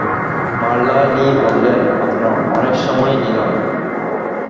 মারলা Lee বললেন, আপনার অনেক সময় নিলাম।